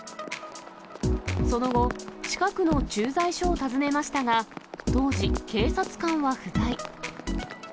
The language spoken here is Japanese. その後、近くの駐在所を訪ねましたが、当時、警察官は不在。